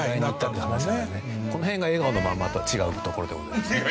この辺が『笑顔のまんま』と違うところでございますね。